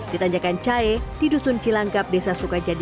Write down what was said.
ditanjakan cahe di dusun cilangkap desa sukajadi